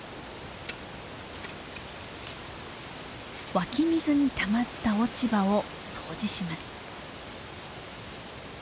湧き水にたまった落ち葉を掃除します。